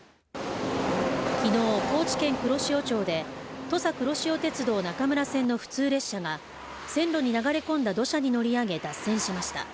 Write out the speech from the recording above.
昨日、高知県黒潮町で土佐くろしお鉄道中村線の普通列車が線路に流れ込んだ土砂に乗り上げ脱線しました。